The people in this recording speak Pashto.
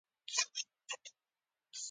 دولتونو ته یې د عملي کولو لپاره ورک وي.